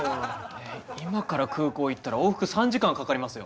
えっ今から空港へ行ったら往復３時間はかかりますよ。